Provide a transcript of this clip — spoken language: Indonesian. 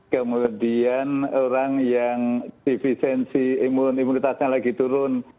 kemudian orang yang defisiensi imun imunitasnya lagi turun